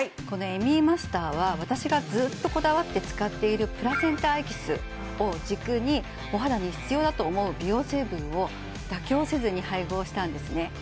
このＭＥマスターは私がずっとこだわって使っているプラセンタエキスを軸にお肌に必要だと思う美容成分を妥協せずに配合したんですね